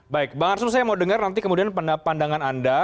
baik bang arsul saya mau dengar nanti kemudian pandangan anda